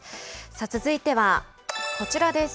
続いては、こちらです。